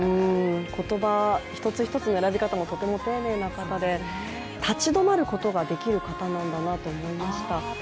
言葉一つ一つの選び方もとても丁寧な方で立ち止まることができる方なんだなと思いました。